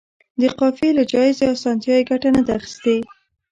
د قافیې له جائزې اسانتیا یې ګټه نه ده اخیستې.